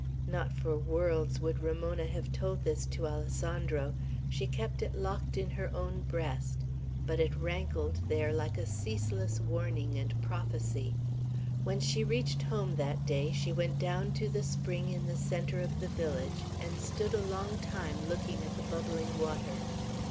Not for worlds would Ramona have told this to Alessandro. She kept it locked in her own breast, but it rankled there like a ceaseless warning and prophecy. When she reached home that day she went down to the spring in the centre of the village, and stood a long time looking at the bubbling water.